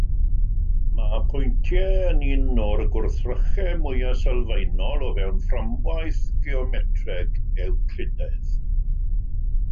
Mae pwyntiau yn un o'r gwrthrychau mwyaf sylfaenol o fewn fframwaith geometreg Ewclidaidd.